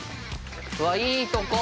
うわっいいとこ！